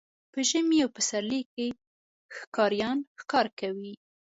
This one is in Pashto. په ژمي او پسرلي کې ښکاریانو ښکار کاوه.